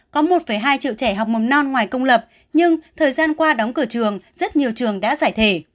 có một hai triệu trẻ học mầm non ngoài công lập nhưng thời gian qua đóng cửa trường rất nhiều trường đã giải thể